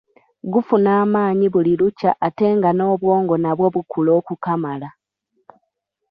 Gufuna amaanyi buli lukya ate nga n'obwongo nabwo bukula okukamala.